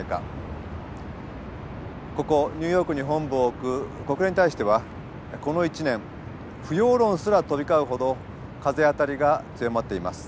ここニューヨークに本部を置く国連に対してはこの１年不要論すら飛び交うほど風当たりが強まっています。